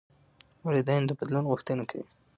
والدین د بدلون غوښتنه کوي.